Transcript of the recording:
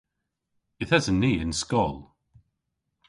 Yth esen ni y'n skol.